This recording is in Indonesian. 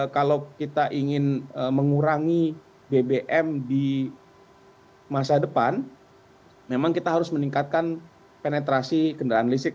kalau kita ingin mengurangi bbm di masa depan memang kita harus meningkatkan penetrasi kendaraan listrik